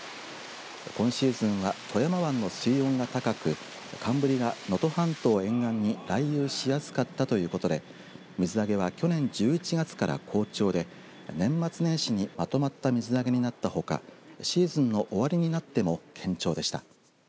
今シーズンは富山湾の水温が高く寒ぶりが能登半島沿岸に来遊しやすかったということで水揚げは去年１１月から好調で年末年始にまとまった水揚げになったほかシーズンの終わりになっても堅調でした。